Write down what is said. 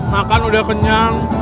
makan udah kenyang